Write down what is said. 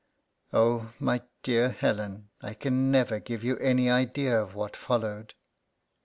Oh, my dear Helen, I can never give you any idea of what fol lowed.